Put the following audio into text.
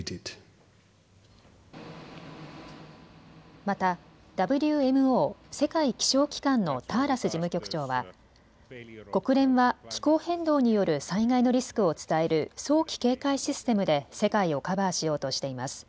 またＷＭＯ・世界気象機関のターラス事務局長は国連は気候変動による災害のリスクを伝える早期警戒システムで世界をカバーしようとしています。